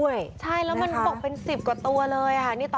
อย่างนี้เลยเนี่ย